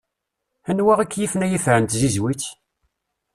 Anwa i k-yifen ay ifer n tzizwit?